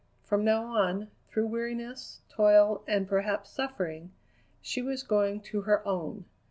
From now on, through weariness, toil, and perhaps suffering, she was going to her own.